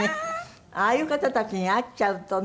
ああいう方たちに会っちゃうとね。